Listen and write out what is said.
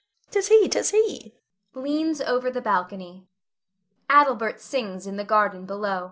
'Tis he! 'tis he! [Leans over the balcony.] [Adelbert _sings in the garden below.